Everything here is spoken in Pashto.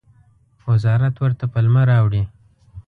وزارت ورته پلمه راوړي.